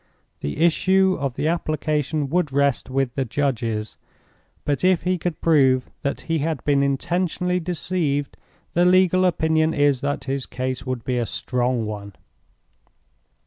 The issue of the application would rest with the judges. But if he could prove that he had been intentionally deceived, the legal opinion is that his case would be a strong one."